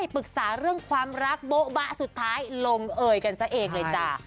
ปรึกษาเรื่องความรักโบ๊บะสุดท้ายลงเอยกันซะเองเลยจ้า